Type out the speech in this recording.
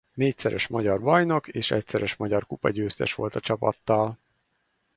Négyszeres magyar bajnok és egyszeres magyar kupa-győztes volt a csapattal.